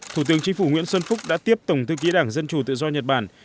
thủ tướng chính phủ nguyễn xuân phúc đã tiếp tổng thư ký đảng dân chủ tự do nhật bản